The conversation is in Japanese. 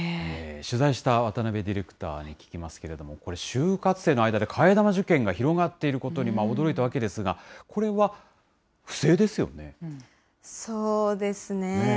取材した渡部ディレクターに聞きますけれども、これ、就活生の間で替え玉受検が広がっていることに驚いたわけですそうですね。